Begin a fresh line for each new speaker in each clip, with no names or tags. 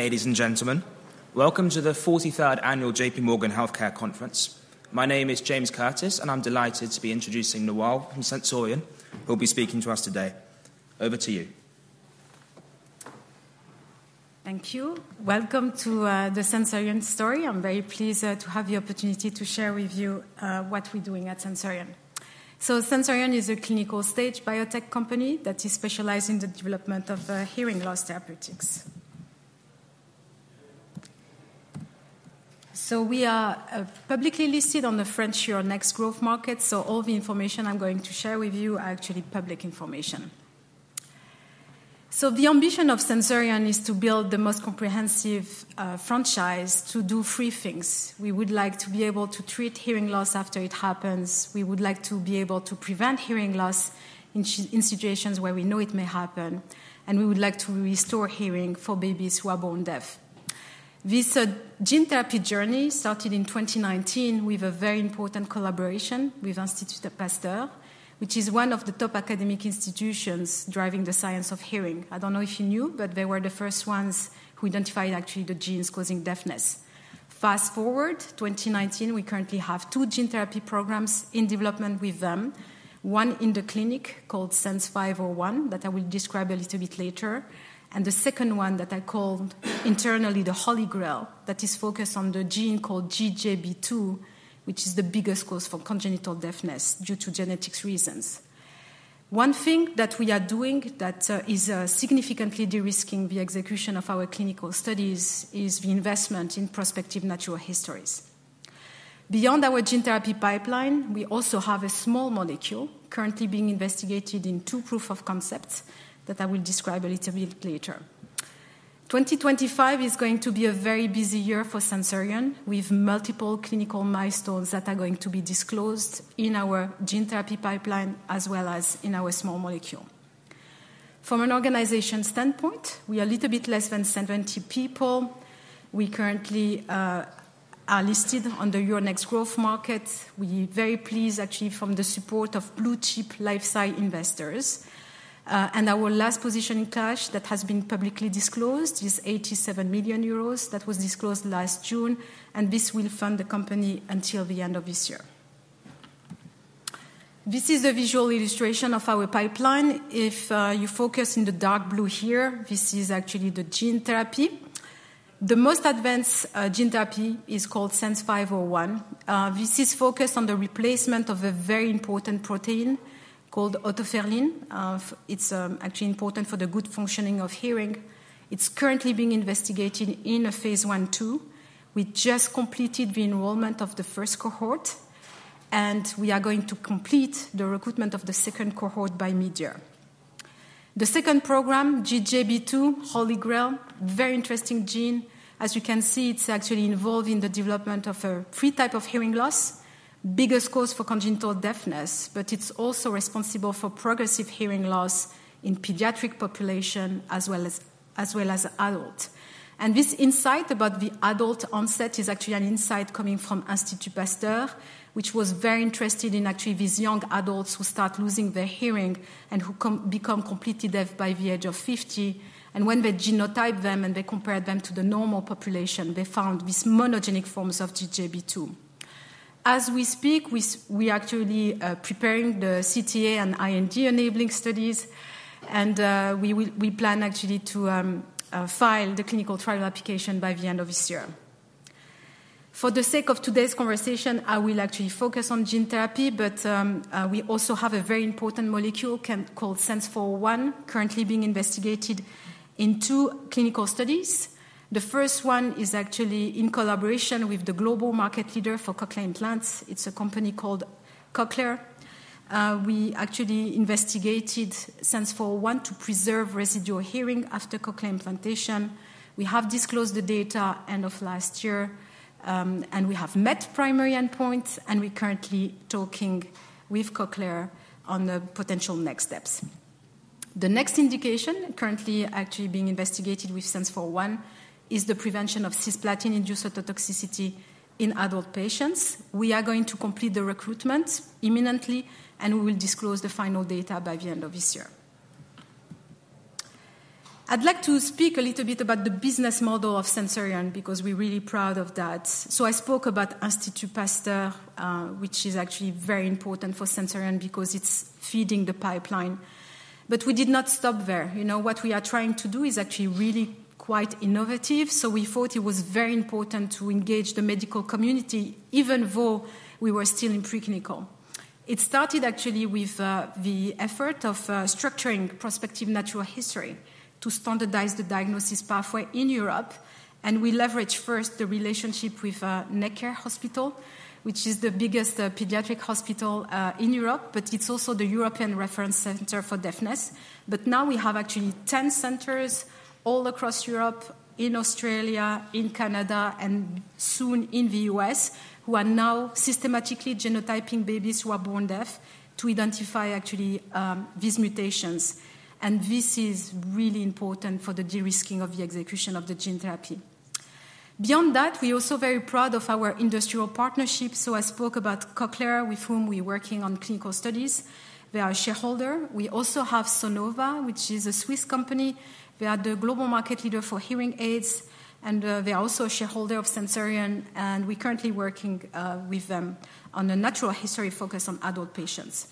Ladies and gentlemen, welcome to the 43rd Annual J.P. Morgan Healthcare Conference. My name is James Curtis, and I'm delighted to be introducing Nawal Ouzren from Sensorion, who will be speaking to us today. Over to you.
Thank you. Welcome to the Sensorion story. I'm very pleased to have the opportunity to share with you what we're doing at Sensorion. So, Sensorion is a clinical-stage biotech company that is specialized in the development of hearing loss therapeutics. So, we are publicly listed on the French Euronext Growth market, so all the information I'm going to share with you is actually public information. So, the ambition of Sensorion is to build the most comprehensive franchise to do three things: we would like to be able to treat hearing loss after it happens, we would like to be able to prevent hearing loss in situations where we know it may happen, and we would like to restore hearing for babies who are born deaf. This gene therapy journey started in 2019 with a very important collaboration with the Institut Pasteur, which is one of the top academic institutions driving the science of hearing. I don't know if you knew, but they were the first ones who identified actually the genes causing deafness. Fast forward to 2019, we currently have two gene therapy programs in development with them: one in the clinic called SENS-501 that I will describe a little bit later, and the second one that I called internally the Holy Grail that is focused on the gene called GJB2, which is the biggest cause for congenital deafness due to genetic reasons. One thing that we are doing that is significantly de-risking the execution of our clinical studies is the investment in prospective natural histories. Beyond our gene therapy pipeline, we also have a small molecule currently being investigated in two proof-of-concepts that I will describe a little bit later. 2025 is going to be a very busy year for Sensorion, with multiple clinical milestones that are going to be disclosed in our gene therapy pipeline as well as in our small molecule. From an organization standpoint, we are a little bit less than 70 people. We currently are listed on the Euronext growth market. We are very pleased actually from the support of blue-chip life science investors. Our last cash position that has been publicly disclosed is 87 million euros that was disclosed last June, and this will fund the company until the end of this year. This is a visual illustration of our pipeline. If you focus in the dark blue here, this is actually the gene therapy. The most advanced gene therapy is called SENS-501. This is focused on the replacement of a very important protein called otoferlin. It's actually important for the good functioning of hearing. It's currently being investigated in a Phase 1/2. We just completed the enrollment of the first cohort, and we are going to complete the recruitment of the second cohort by mid-year. The second program, GJB2, holy grail, very interesting gene. As you can see, it's actually involved in the development of a three type of hearing loss, the biggest cause for congenital deafness, but it's also responsible for progressive hearing loss in the pediatric population as well as adults, and this insight about the adult onset is actually an insight coming from the Institut Pasteur, which was very interested in actually these young adults who start losing their hearing and who become completely deaf by the age of 50. And when they genotype them and they compare them to the normal population, they found these monogenic forms of GJB2. As we speak, we are actually preparing the CTA and IND enabling studies, and we plan actually to file the clinical trial application by the end of this year. For the sake of today's conversation, I will actually focus on gene therapy, but we also have a very important molecule called SENS-401 currently being investigated in two clinical studies. The first one is actually in collaboration with the global market leader for cochlear implants. It's a company called Cochlear. We actually investigated SENS-401 to preserve residual hearing after cochlear implantation. We have disclosed the data at the end of last year, and we have met primary endpoints, and we're currently talking with Cochlear on the potential next steps. The next indication currently actually being investigated with SENS-401 is the prevention of cisplatin-induced ototoxicity in adult patients. We are going to complete the recruitment imminently, and we will disclose the final data by the end of this year. I'd like to speak a little bit about the business model of Sensorion because we're really proud of that. So, I spoke about the Institut Pasteur, which is actually very important for Sensorion because it's feeding the pipeline. But we did not stop there. You know, what we are trying to do is actually really quite innovative, so we thought it was very important to engage the medical community even though we were still in preclinical. It started actually with the effort of structuring prospective natural history to standardize the diagnosis pathway in Europe, and we leveraged first the relationship with Necker Hospital, which is the biggest pediatric hospital in Europe, but it's also the European Reference Center for Deafness, but now we have actually 10 centers all across Europe, in Australia, in Canada, and soon in the U.S., who are now systematically genotyping babies who are born deaf to identify actually these mutations, and this is really important for the de-risking of the execution of the gene therapy. Beyond that, we are also very proud of our industrial partnership, so I spoke about Cochlear, with whom we are working on clinical studies. They are a shareholder. We also have Sonova, which is a Swiss company. They are the global market leader for hearing aids, and they are also a shareholder of Sensorion, and we're currently working with them on a natural history focus on adult patients.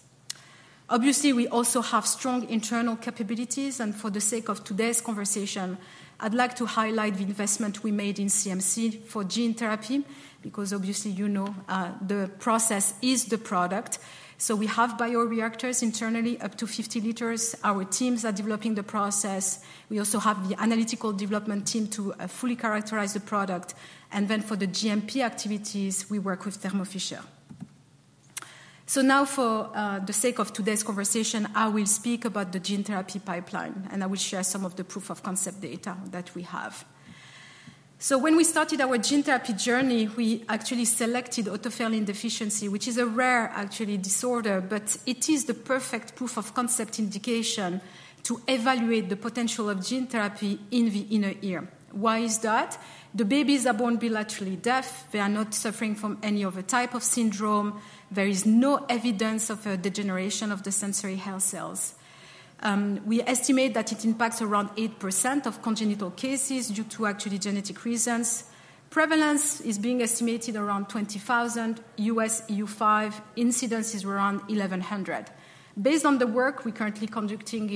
Obviously, we also have strong internal capabilities, and for the sake of today's conversation, I'd like to highlight the investment we made in CMC for gene therapy because, obviously, you know, the process is the product, so we have bioreactors internally, up to 50 liters. Our teams are developing the process. We also have the analytical development team to fully characterize the product. And then for the GMP activities, we work with Thermo Fisher, so now, for the sake of today's conversation, I will speak about the gene therapy pipeline, and I will share some of the proof-of-concept data that we have. When we started our gene therapy journey, we actually selected otoferlin deficiency, which is a rare actually disorder, but it is the perfect proof-of-concept indication to evaluate the potential of gene therapy in the inner ear. Why is that? The babies are born bilaterally deaf. They are not suffering from any other type of syndrome. There is no evidence of degeneration of the sensory hair cells. We estimate that it impacts around 8% of congenital cases due to actually genetic reasons. Prevalence is being estimated around 20,000. US EU5 incidence is around 1,100. Based on the work we're currently conducting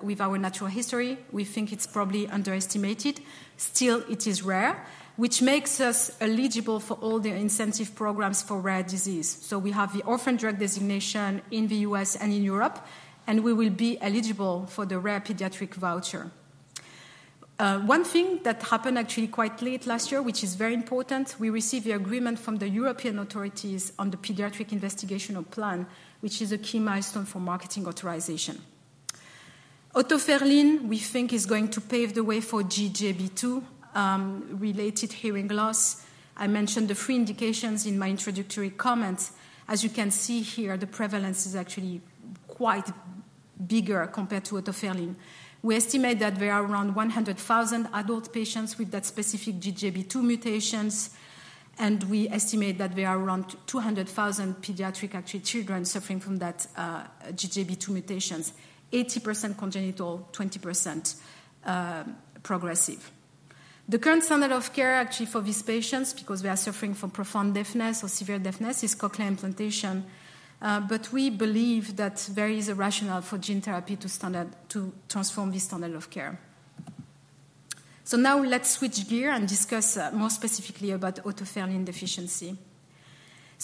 with our natural history, we think it's probably underestimated. Still, it is rare, which makes us eligible for all the incentive programs for rare disease. We have the orphan drug designation in the US and in Europe, and we will be eligible for the rare pediatric voucher. One thing that happened actually quite late last year, which is very important, we received the agreement from the European authorities on the pediatric investigational plan, which is a key milestone for marketing authorization. Otoferlin, we think, is going to pave the way for GJB2-related hearing loss. I mentioned the three indications in my introductory comments. As you can see here, the prevalence is actually quite bigger compared to otoferlin. We estimate that there are around 100,000 adult patients with that specific GJB2 mutations, and we estimate that there are around 200,000 pediatric children suffering from that GJB2 mutations, 80% congenital, 20% progressive. The current standard of care actually for these patients, because they are suffering from profound deafness or severe deafness, is cochlear implantation. But we believe that there is a rationale for gene therapy to transform this standard of care. Now let's switch gears and discuss more specifically about otoferlin deficiency.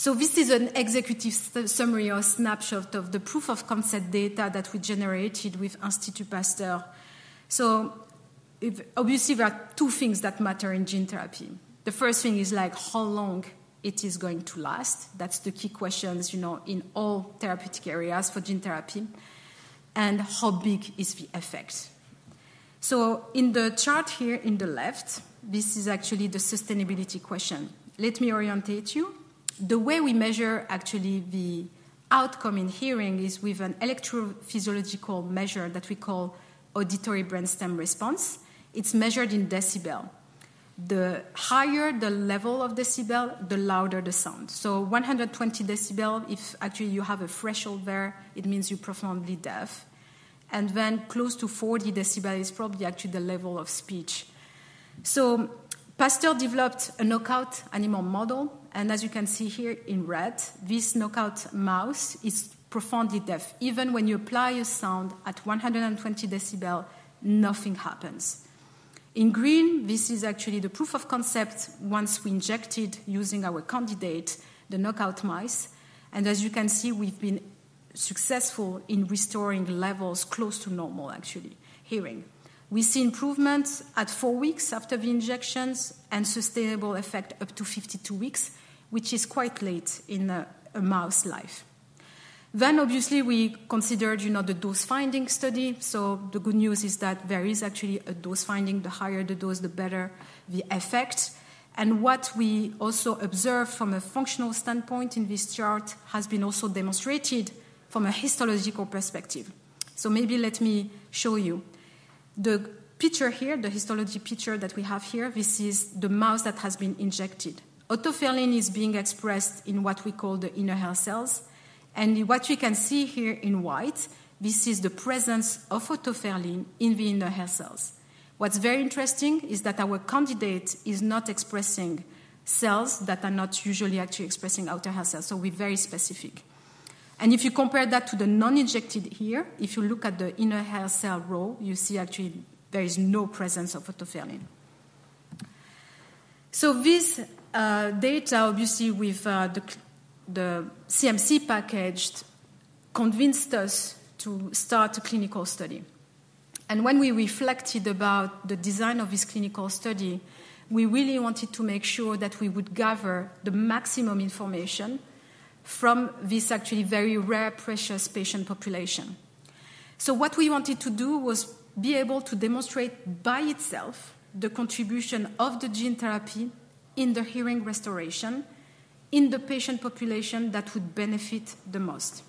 This is an executive summary or snapshot of the proof-of-concept data that we generated with the Institut Pasteur. Obviously, there are two things that matter in gene therapy. The first thing is like how long it is going to last. That's the key questions, you know, in all therapeutic areas for gene therapy, and how big is the effect. In the chart here on the left, this is actually the sustainability question. Let me orientate you. The way we measure actually the outcome in hearing is with an electrophysiological measure that we call auditory brainstem response. It's measured in decibels. The higher the level of decibels, the louder the sound. 120 decibels, if actually you have a threshold there, it means you're profoundly deaf. And then, close to 40 decibels is probably actually the level of speech. So, Pasteur developed a knockout animal model, and as you can see here in red, this knockout mouse is profoundly deaf. Even when you apply a sound at 120 decibels, nothing happens. In green, this is actually the proof-of-concept once we injected using our candidate, the knockout mice. And as you can see, we've been successful in restoring levels close to normal, actually, hearing. We see improvements at four weeks after the injections and sustainable effect up to 52 weeks, which is quite late in a mouse life. Then, obviously, we considered, you know, the dose-finding study. So, the good news is that there is actually a dose-finding. The higher the dose, the better the effect. And what we also observed from a functional standpoint in this chart has been also demonstrated from a histological perspective. Maybe let me show you the picture here, the histology picture that we have here. This is the mouse that has been injected. Otoferlin is being expressed in what we call the inner hair cells. What you can see here in white, this is the presence of otoferlin in the inner hair cells. What's very interesting is that our candidate is not expressing cells that are not usually actually expressing outer hair cells, so we're very specific. If you compare that to the non-injected here, if you look at the inner hair cell row, you see actually there is no presence of otoferlin. This data, obviously, with the CMC package convinced us to start a clinical study. And when we reflected about the design of this clinical study, we really wanted to make sure that we would gather the maximum information from this actually very rare, precious patient population. So what we wanted to do was be able to demonstrate by itself the contribution of the gene therapy in the hearing restoration in the patient population that would benefit the most.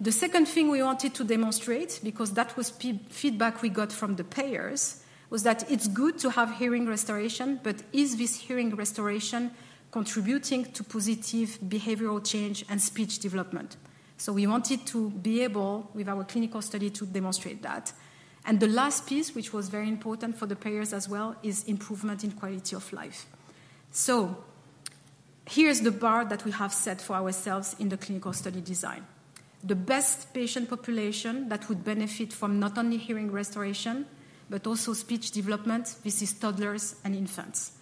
The second thing we wanted to demonstrate, because that was feedback we got from the payers, was that it's good to have hearing restoration, but is this hearing restoration contributing to positive behavioral change and speech development? So we wanted to be able, with our clinical study, to demonstrate that. And the last piece, which was very important for the payers as well, is improvement in quality of life. So here's the bar that we have set for ourselves in the clinical study design. The best patient population that would benefit from not only hearing restoration, but also speech development, this is toddlers and infants,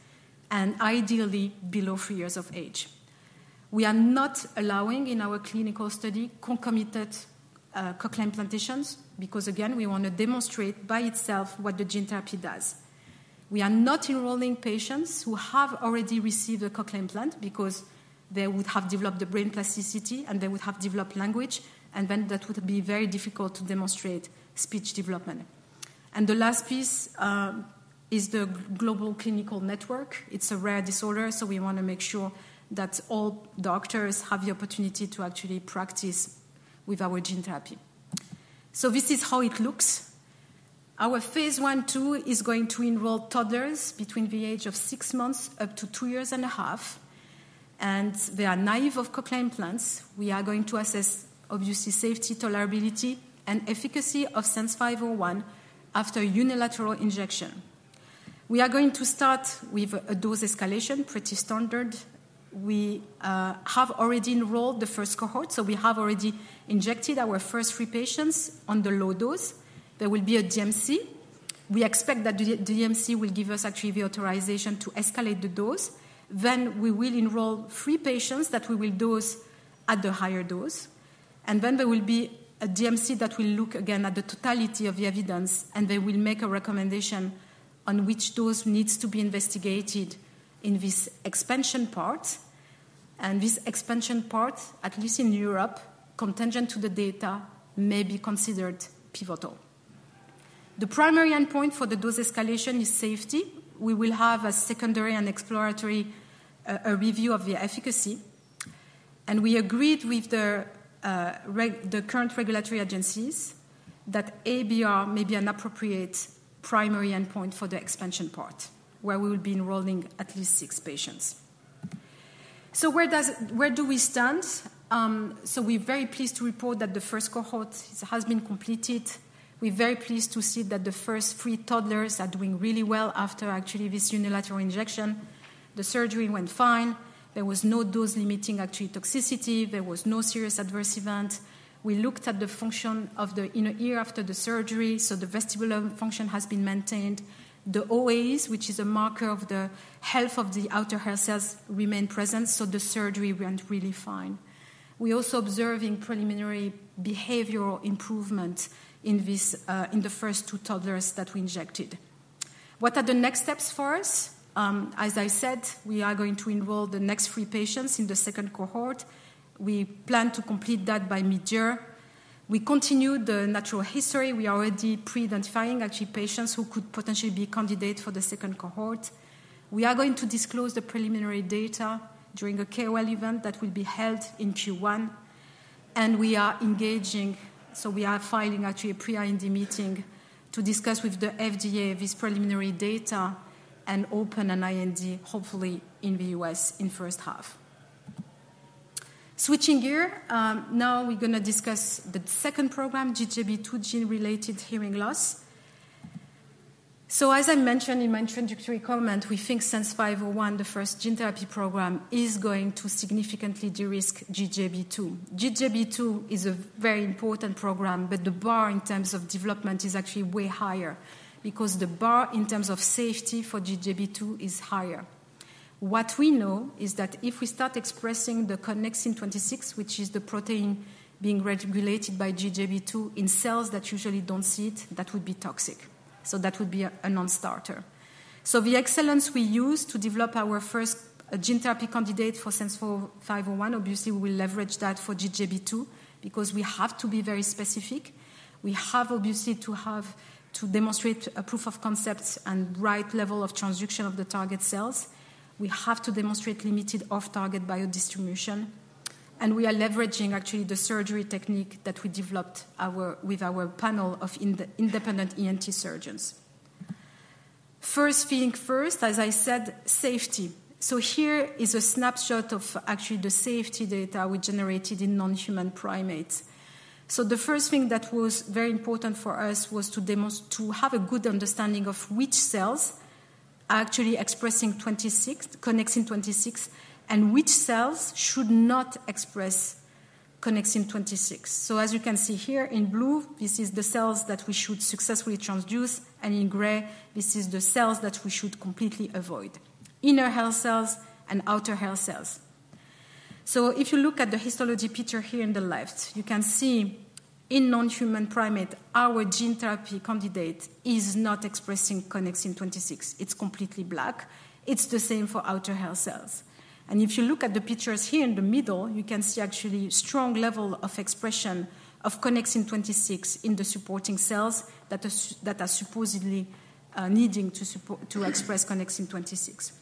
and ideally below three years of age. We are not allowing in our clinical study concomitant cochlear implantations because, again, we want to demonstrate by itself what the gene therapy does. We are not enrolling patients who have already received a cochlear implant because they would have developed the brain plasticity and they would have developed language, and then that would be very difficult to demonstrate speech development, and the last piece is the global clinical network. It's a rare disorder, so we want to make sure that all doctors have the opportunity to actually practice with our gene therapy, so this is how it looks. Our phase one-two is going to enroll toddlers between the age of six months up to two years and a half. They are naive of cochlear implants. We are going to assess, obviously, safety, tolerability, and efficacy of SENS501 after unilateral injection. We are going to start with a dose escalation, pretty standard. We have already enrolled the first cohort, so we have already injected our first three patients on the low dose. There will be a DMC. We expect that the DMC will give us actually the authorization to escalate the dose. Then we will enroll three patients that we will dose at the higher dose. And then there will be a DMC that will look again at the totality of the evidence, and they will make a recommendation on which dose needs to be investigated in this expansion part. And this expansion part, at least in Europe, contingent to the data, may be considered pivotal. The primary endpoint for the dose escalation is safety. We will have a secondary and exploratory review of the efficacy. And we agreed with the current regulatory agencies that ABR may be an appropriate primary endpoint for the expansion part, where we will be enrolling at least six patients. So where do we stand? So we're very pleased to report that the first cohort has been completed. We're very pleased to see that the first three toddlers are doing really well after actually this unilateral injection. The surgery went fine. There was no dose-limiting actually toxicity. There was no serious adverse event. We looked at the function of the inner ear after the surgery, so the vestibular function has been maintained. The OAEs, which is a marker of the health of the outer hair cells, remain present, so the surgery went really fine. We're also observing preliminary behavioral improvement in the first two toddlers that we injected. What are the next steps for us? As I said, we are going to enroll the next three patients in the second cohort. We plan to complete that by mid-year. We continue the natural history. We are already pre-identifying actually patients who could potentially be candidates for the second cohort. We are going to disclose the preliminary data during a KOL event that will be held in Q1. And we are engaging, so we are filing actually a pre-IND meeting to discuss with the FDA this preliminary data and open an IND, hopefully in the U.S., in the first half. Switching gears, now we're going to discuss the second program, GJB2 gene-related hearing loss. So, as I mentioned in my introductory comment, we think SENS501, the first gene therapy program, is going to significantly de-risk GJB2. GJB2 is a very important program, but the bar in terms of development is actually way higher because the bar in terms of safety for GJB2 is higher. What we know is that if we start expressing the Connexin-26, which is the protein being regulated by GJB2 in cells that usually don't see it, that would be toxic. So that would be a non-starter. So the experience we use to develop our first gene therapy candidate for SENS501, obviously, we will leverage that for GJB2 because we have to be very specific. We have, obviously, to demonstrate a proof-of-concept and right level of transduction of the target cells. We have to demonstrate limited off-target biodistribution. And we are leveraging actually the surgery technique that we developed with our panel of independent ENT surgeons. First thing first, as I said, safety. So here is a snapshot of actually the safety data we generated in non-human primates. So the first thing that was very important for us was to have a good understanding of which cells are actually expressing Connexin-26 and which cells should not express Connexin-26. So, as you can see here in blue, this is the cells that we should successfully transduce, and in gray, this is the cells that we should completely avoid: inner hair cells and outer hair cells. So, if you look at the histology picture here on the left, you can see in non-human primates, our gene therapy candidate is not expressing Connexin-26. It's completely black. It's the same for outer hair cells. And if you look at the pictures here in the middle, you can see actually a strong level of expression of Connexin-26 in the supporting cells that are supposedly needing to express Connexin-26.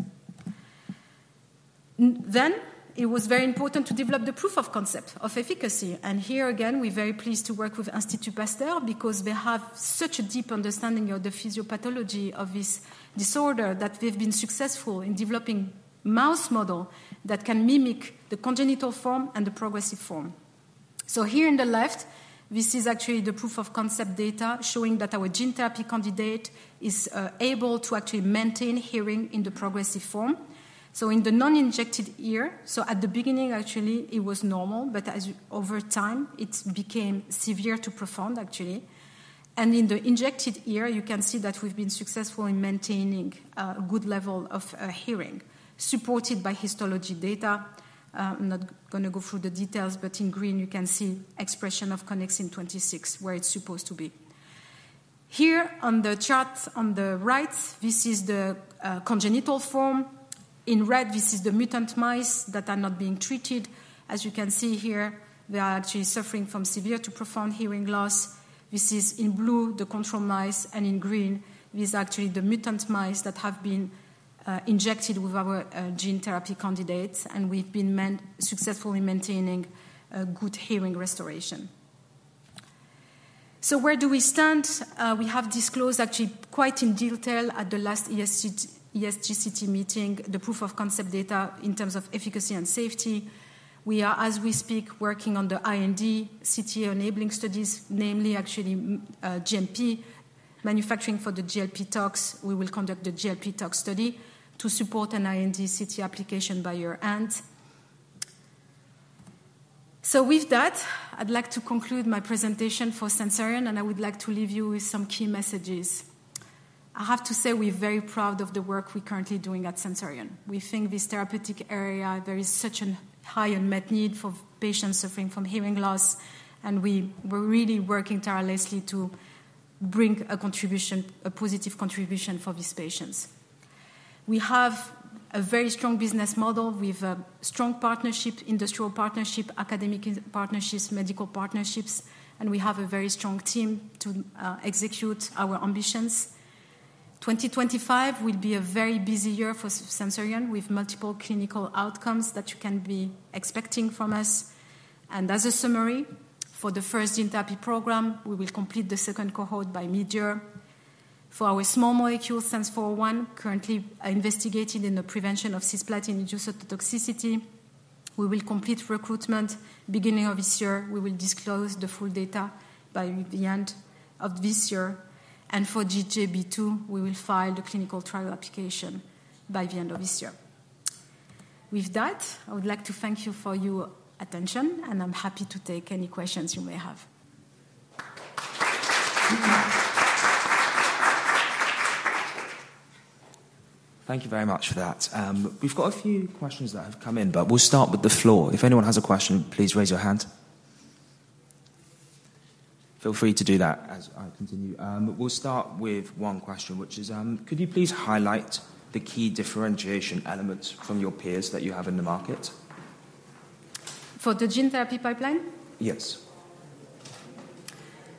Then, it was very important to develop the proof-of-concept of efficacy. And here, again, we're very pleased to work with the Institut Pasteur because they have such a deep understanding of the physiopathology of this disorder that they've been successful in developing a mouse model that can mimic the congenital form and the progressive form. So here on the left, this is actually the proof-of-concept data showing that our gene therapy candidate is able to actually maintain hearing in the progressive form. So in the non-injected ear, so at the beginning, actually, it was normal, but over time, it became severe to profound, actually. And in the injected ear, you can see that we've been successful in maintaining a good level of hearing, supported by histology data. I'm not going to go through the details, but in green, you can see expression of Connexin-26 where it's supposed to be. Here on the chart on the right, this is the congenital form. In red, this is the mutant mice that are not being treated. As you can see here, they are actually suffering from severe to profound hearing loss. This is in blue, the control mice, and in green, these are actually the mutant mice that have been injected with our gene therapy candidates, and we've been successfully maintaining good hearing restoration. So where do we stand? We have disclosed actually quite in detail at the last ESGCT meeting the proof-of-concept data in terms of efficacy and safety. We are, as we speak, working on the IND/CTA enabling studies, namely actually GMP manufacturing for the GLP tox. We will conduct the GLP tox study to support an IND/CTA application by year end. So with that, I'd like to conclude my presentation for Sensorion, and I would like to leave you with some key messages. I have to say we're very proud of the work we're currently doing at Sensorion. We think this therapeutic area, there is such a high unmet need for patients suffering from hearing loss, and we were really working tirelessly to bring a contribution, a positive contribution for these patients. We have a very strong business model with a strong partnership, industrial partnership, academic partnerships, medical partnerships, and we have a very strong team to execute our ambitions. 2025 will be a very busy year for Sensorion with multiple clinical outcomes that you can be expecting from us. And as a summary, for the first gene therapy program, we will complete the second cohort by mid-year. For our small molecule, SENS401, currently investigating in the prevention of cisplatin induced ototoxicity, we will complete recruitment beginning of this year. We will disclose the full data by the end of this year. And for GJB2, we will file the clinical trial application by the end of this year. With that, I would like to thank you for your attention, and I'm happy to take any questions you may have. Thank you very much for that. We've got a few questions that have come in, but we'll start with the floor. If anyone has a question, please raise your hand. Feel free to do that as I continue. We'll start with one question, which is, could you please highlight the key differentiation elements from your peers that you have in the market? For the gene therapy pipeline? Yes.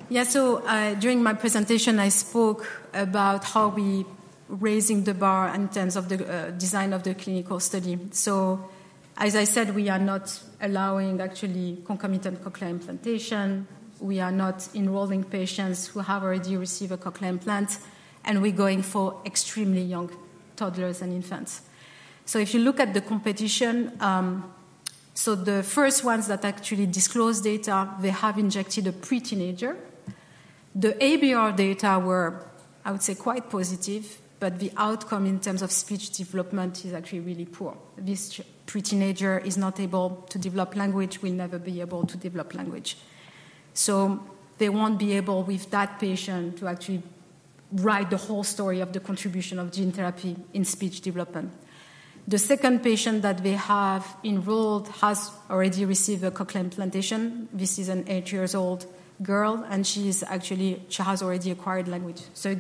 Yeah, so during my presentation, I spoke about how we're raising the bar in terms of the design of the clinical study, so as I said, we are not allowing actually concomitant cochlear implantation. We are not enrolling patients who have already received a cochlear implant, and we're going for extremely young toddlers and infants, so if you look at the competition, so the first ones that actually disclose data, they have injected a pre-teenager. The ABR data were, I would say, quite positive, but the outcome in terms of speech development is actually really poor. This pre-teenager is not able to develop language, will never be able to develop language, so they won't be able, with that patient, to actually write the whole story of the contribution of gene therapy in speech development. The second patient that they have enrolled has already received a cochlear implantation. This is an eight-year-old girl, and she has already acquired language. So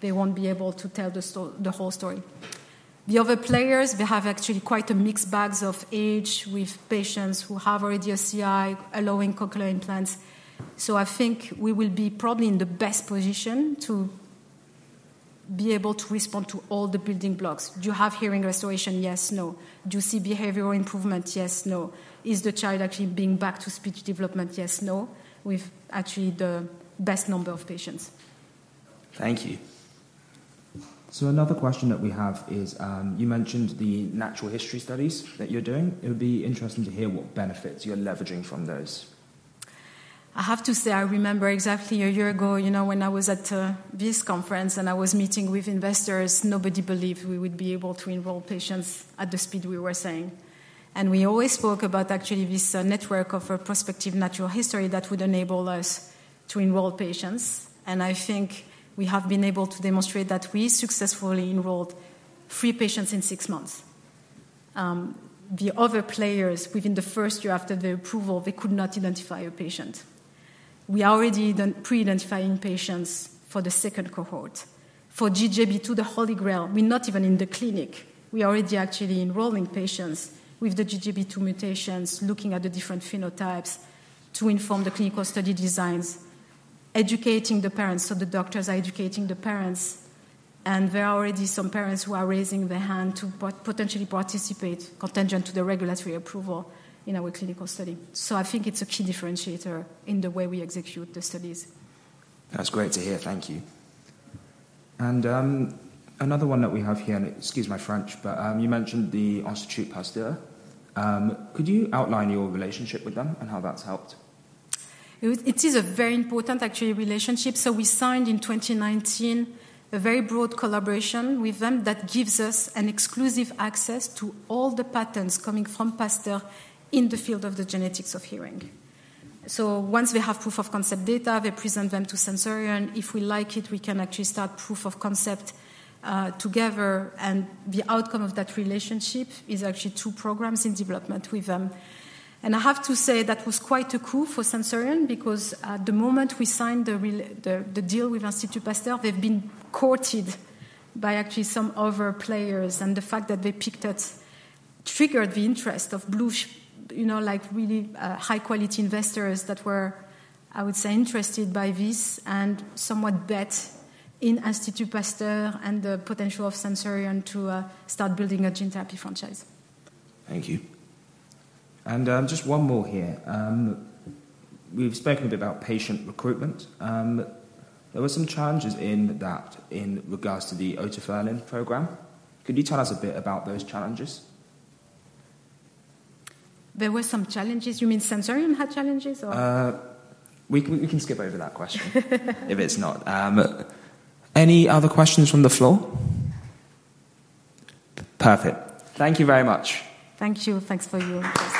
again, they won't be able to tell the whole story. The other players, they have actually quite mixed bags of age with patients who have already a CI, allowing cochlear implants. So I think we will be probably in the best position to be able to respond to all the building blocks. Do you have hearing restoration? Yes, no. Do you see behavioral improvement? Yes, no. Is the child actually being back to speech development? Yes, no. With actually the best number of patients. Thank you. Another question that we have is, you mentioned the natural history studies that you're doing. It would be interesting to hear what benefits you're leveraging from those. I have to say, I remember exactly a year ago, you know, when I was at this conference and I was meeting with investors, nobody believed we would be able to enroll patients at the speed we were saying, and we always spoke about actually this network of prospective natural history that would enable us to enroll patients, and I think we have been able to demonstrate that we successfully enrolled three patients in six months. The other players, within the first year after the approval, they could not identify a patient. We are already pre-identifying patients for the second cohort. For GJB2, the Holy Grail, we're not even in the clinic. We are already actually enrolling patients with the GJB2 mutations, looking at the different phenotypes to inform the clinical study designs, educating the parents. So the doctors are educating the parents, and there are already some parents who are raising their hand to potentially participate contingent to the regulatory approval in our clinical study. So I think it's a key differentiator in the way we execute the studies. That's great to hear. Thank you. And another one that we have here, and excuse my French, but you mentioned the Institut Pasteur. Could you outline your relationship with them and how that's helped? It is a very important actually relationship. So we signed in 2019 a very broad collaboration with them that gives us exclusive access to all the patents coming from Pasteur in the field of the genetics of hearing. So once we have proof-of-concept data, they present them to Sensorion. If we like it, we can actually start proof-of-concept together. The outcome of that relationship is actually two programs in development with them. I have to say that was quite a coup for Sensorion because at the moment we signed the deal with the Institut Pasteur, they've been courted by actually some other players. The fact that they picked us triggered the interest of blue-chip, you know, like really high-quality investors that were, I would say, interested by this and somewhat bet on the Institut Pasteur and the potential of Sensorion to start building a gene therapy franchise. Thank you. Just one more here. We've spoken a bit about patient recruitment. There were some challenges in that in regards to the otoferlin program. Could you tell us a bit about those challenges? There were some challenges. You mean Sensorion had challenges or? We can skip over that question if it's not.
Any other questions from the floor? Perfect. Thank you very much.
Thank you. Thanks for your.